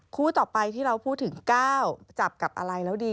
คู่ต่อไปที่เราพูดถึง๙จับกับอะไรแล้วดี